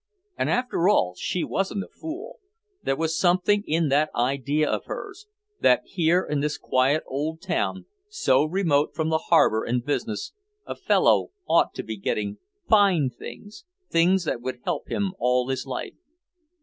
And after all, she wasn't a fool, there was something in that idea of hers that here in this quiet old town, so remote from the harbor and business, a fellow ought to be getting "fine" things, things that would help him all his life.